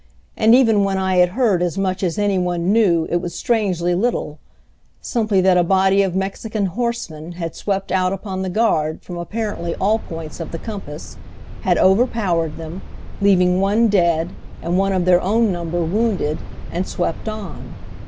And even when I had heard as much as any one knew it was strangely little simply that a body of Mexican horsemen had swept out upon the guard from apparently all points of the compass, had overpowered them, leaving one dead and one of their own number wounded, and swept on.